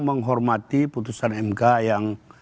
menghormati putusan mk yang